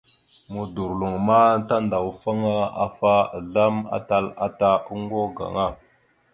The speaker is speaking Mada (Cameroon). Modorloŋ ma tandawafaŋ afa azlam atal ata oŋgo gaŋa.